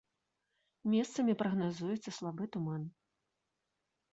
Месцамі прагназуецца слабы туман.